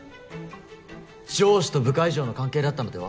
上司と部下以上の関係だったのでは？